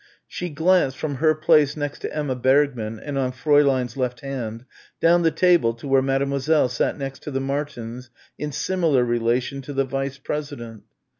She glanced, from her place next to Emma Bergmann and on Fräulein's left hand, down the table to where Mademoiselle sat next the Martins in similar relation to the vice president.